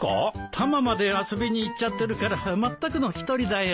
タマまで遊びに行っちゃってるからまったくの一人だよ。